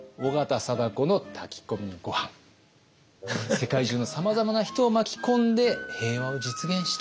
世界中のさまざまな人を巻き込んで平和を実現したい。